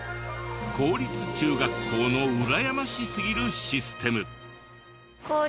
公立中学校のうらやましすぎるシステム。